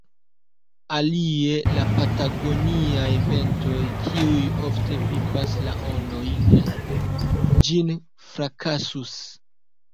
Alie la patagoniaj ventoj, kiuj ofte vipas la ondojn, ĝin frakasus.